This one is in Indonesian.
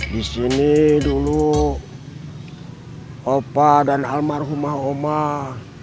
di sini dulu opa dan almarhumah omah